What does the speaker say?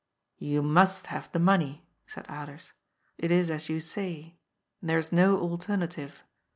" You must have the money," said Alers. " It is as you say. There is no alternative.